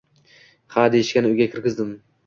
ha deyishgan, uyga kirgizdim.